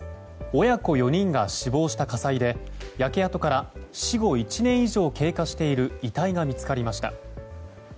親子４人が死亡した火災で焼け跡から死後１年以上経過している遺体が見つかりました。